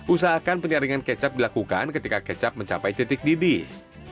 usahakan penyaringan kecap dilakukan ketika kecap mencapai titik didih